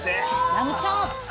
ラムチョーップ！